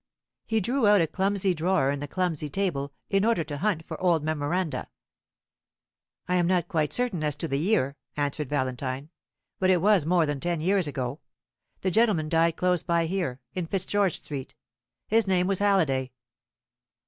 He drew out a clumsy drawer in the clumsy table, in order to hunt for old memoranda. "I am not quite certain as to the year," answered Valentine; "but it was more than ten years ago. The gentleman died close by here, in Fitzgeorge Street. His name was Halliday."